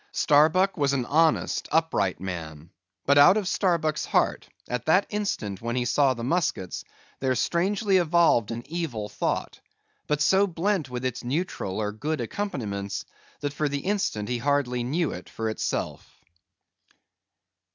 Starbuck was an honest, upright man; but out of Starbuck's heart, at that instant when he saw the muskets, there strangely evolved an evil thought; but so blent with its neutral or good accompaniments that for the instant he hardly knew it for itself.